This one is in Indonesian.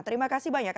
terima kasih banyak